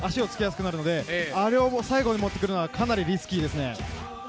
ちょっとしたバランスの崩れで足をつきやすくなるので、あれを最後に持ってくるのはかなりリスキーです。